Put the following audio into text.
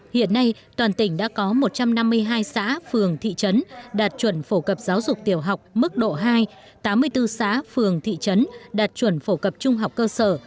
hiện nay toàn tỉnh đã có một trăm năm mươi hai xã phường thị trấn đạt chuẩn phổ cập giáo dục tiểu học mức độ hai tám mươi bốn xã phường thị trấn đạt chuẩn phổ cập trung học cơ sở